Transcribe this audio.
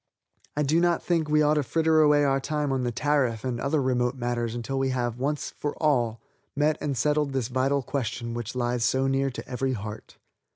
I do not think we ought to fritter away our time on the tariff and other remote matters until we have, once for all, met and settled this vital question which lies so near to every heart.